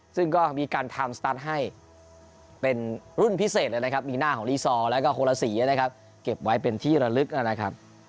ซึ่งก็มีการทำสตาร์ทให้เป็นรุ่นพิเศษเลยนะครับมีหน้าของลีซอร์แล้วก็โคนละสีนะครับเก็บไว้เป็นที่ระลึกนะครับ